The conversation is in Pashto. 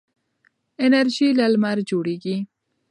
انرژي له لمره جوړیږي.